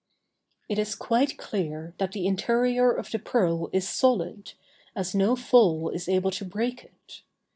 It is quite clear that the interior of the pearl is solid, as no fall is able to break it.